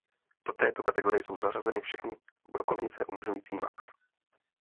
Do této kategorie jsou zařazeny všechny brokovnice umožňující max.